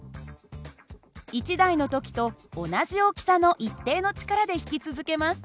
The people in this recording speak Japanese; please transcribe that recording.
１台の時と同じ大きさの一定の力で引き続けます。